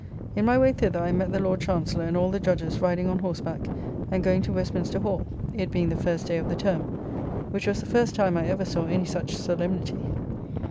In my way thither I met the Lord Chancellor and all the judges riding on horseback and going to Westminster Hall, it being the first day of the term, which was the first time I ever saw any such solemnity.